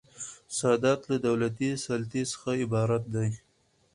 سیادت له دولتي سلطې څخه عبارت دئ.